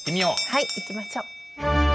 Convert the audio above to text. はい行きましょう。